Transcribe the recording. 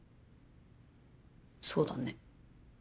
そうだね。